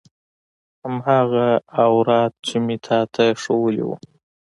هماغه اوراد چې مې تا ته خودلي وو.